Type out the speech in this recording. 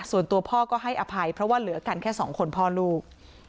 ส่วนตัวพ่อก็ให้อภัยเพราะว่าเหลือกันแค่สองคนพ่อลูก